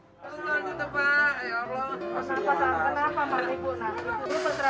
tuh lalu tebak ayo lalu